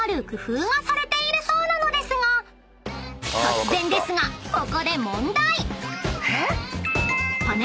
［突然ですがここで］